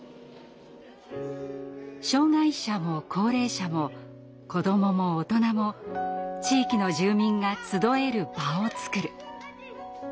障害者も高齢者も子どもも大人も地域の住民が集える場を作る。